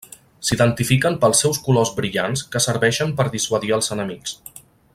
S'identifiquen pels seus colors brillants que serveixen per dissuadir als enemics.